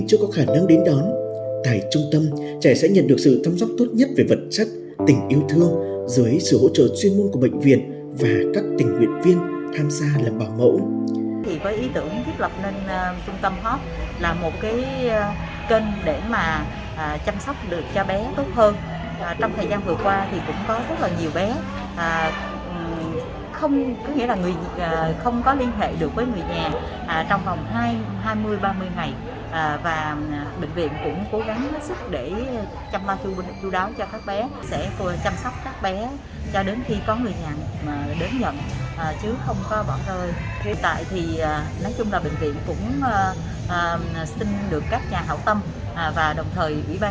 chứ không có bỏ rơi hiện tại thì nói chung là bệnh viện cũng xin được các nhà hảo tâm và đồng thời ủy ban nhân dân cũng có những cái hướng hẹn là sẽ cho những cái sức hỗ trợ